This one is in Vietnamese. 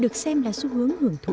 được xem là xu hướng hưởng thụ